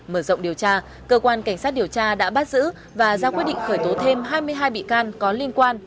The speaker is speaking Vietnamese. mở rộng điều tra cơ quan cảnh sát điều tra đã bắt giữ và ra quyết định khởi tố thêm hai mươi hai bị can có liên quan